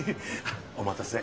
お待たせ。